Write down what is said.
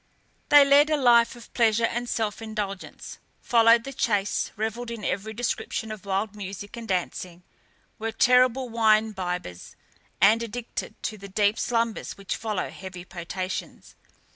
They led a life of pleasure and self indulgence, followed the chase, revelled in every description of wild music and dancing, were terrible wine bibbers, and addicted to the deep slumbers which follow heavy potations.